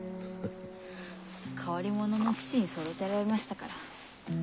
変わり者の父に育てられましたから。